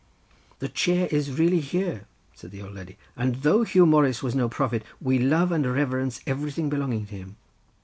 "The chair is really here," said the old lady, "and though Huw Morus was no prophet, we love and reverence everything belonging to him.